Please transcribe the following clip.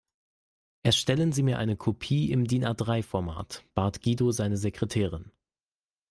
Erstellen Sie mir eine Kopie im DIN-A-drei Format, bat Guido seine Sekretärin.